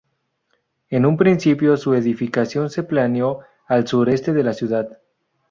En un principio, su edificación se planeó al sureste de la ciudad.